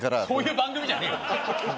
そういう番組じゃねえよ。